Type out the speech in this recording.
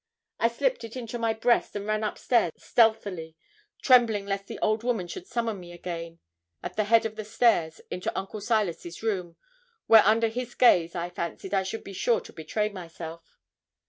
I slipt it into my breast, and ran up stairs stealthily, trembling lest the old woman should summon me again, at the head of the stairs, into Uncle Silas's room, where under his gaze, I fancied, I should be sure to betray myself.